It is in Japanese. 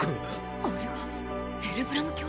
あれがヘルブラム卿？